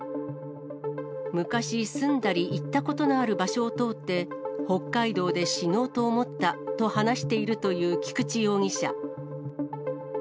昔、住んだり行ったことのある場所を通って、北海道で死のうと思ったと話しているという菊池容疑者。